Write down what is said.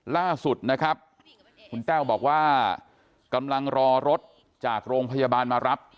ล่าสุดนะครับคุณแต้วบอกว่ากำลังรอรถจากโรงพยาบาลมารับ